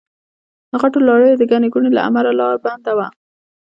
د غټو لاريو د ګڼې ګوڼې له امله لار بنده وه.